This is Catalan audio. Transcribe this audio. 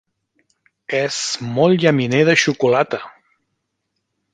És molt llaminer de xocolata.